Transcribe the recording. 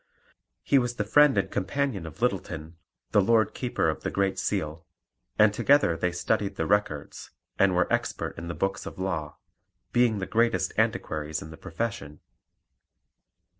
He was the friend and companion of Littleton, the Lord Keeper of the Great Seal, and together they studied the Records, and were expert in the Books of Law, being the greatest antiquaries in the profession.